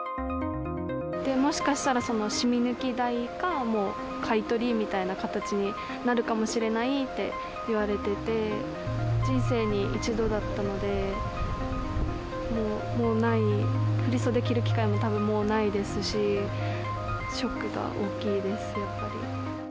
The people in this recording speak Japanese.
もしかしたらその染み抜き代か、もう買い取りみたいな形になるかもしれないって言われてて、人生に一度だったので、もう、もうない、振り袖着る機会も、もうたぶん、ないですし、ショックが大きいです、やっぱり。